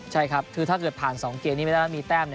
ใช่ครับถ้าเกิดผ่านสองเกรดนี้ไม่ได้มีแต้ม